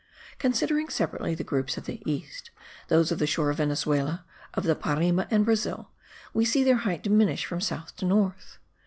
Considering separately the groups of the east, those of the shore of Venezuela, of the Parime, and Brazil, we see their height diminish from north to south.